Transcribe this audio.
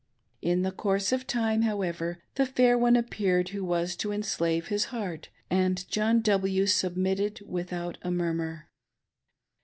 In the course of time, however, the fair one appeared who was to enslave his heart, arid John W. submitted without a murmur.